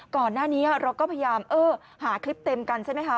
ก่อนหน้านี้เราก็พยายามหาคลิปเต็มกันใช่ไหมคะ